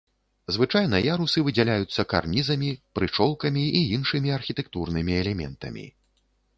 Звычайна ярусы выдзяляюцца карнізамі, прычолкамі і іншымі архітэктурнымі элементамі.